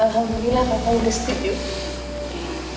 alhamdulillah mama udah setuju